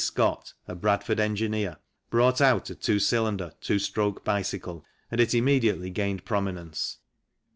Scott, a Bradford engineer, brought out a two cylinder, two stroke bicycle, and it immediately gained prominence.